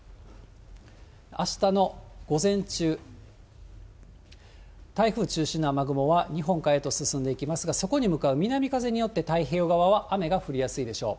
あしたの午前中、台風中心の雨雲は日本海へと進んでいきますが、そこに向かう南風によって、太平洋側は雨が降りやすいでしょう。